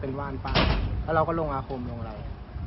เป็นว่านป้าแล้วเราก็ลงอาคมลงเรา